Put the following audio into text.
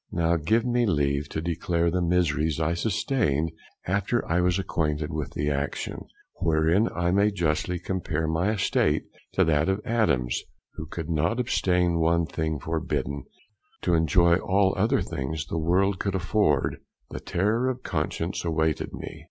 Now give me leave to declare the miseries I sustained after I was acquainted with the action, wherein I may justly compare my estate to that of Adam's, who could not abstain one thing forbidden, to enjoy all other things the world could afford; the terror of conscience awaited me.